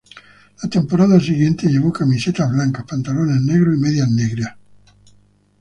La temporada siguiente, llevó camisetas blancas, pantalones negros y medias negras.